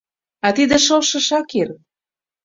А тиде шылше Шакир...